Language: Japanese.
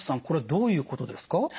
これどういうことですか？